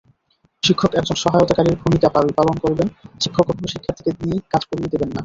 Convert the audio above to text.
শিক্ষক একজন সহায়তাকারীর ভূমিকা পালন করবেনশিক্ষক কখনো শিক্ষার্থীকে নিজে কাজ করিয়ে দেবেন না।